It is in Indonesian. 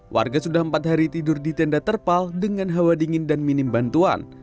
warga sudah empat hari tidur di tenda terpal dengan hawa dingin dan minim bantuan